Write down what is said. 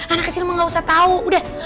anak kecil mah gak usah tau udah